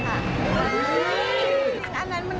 จะเกี่ยวกับหัวใจไป